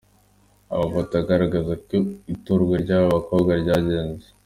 Amafoto agaragaza uko itorwa ry’aba bakobwa ryagenze.